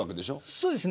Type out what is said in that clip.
そうですね。